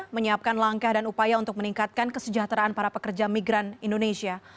menyiapkan langkah dan upaya untuk meningkatkan kesejahteraan para pekerja migran indonesia